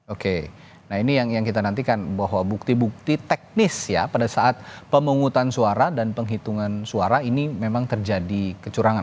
oke nah ini yang kita nantikan bahwa bukti bukti teknis ya pada saat pemungutan suara dan penghitungan suara ini memang terjadi kecurangan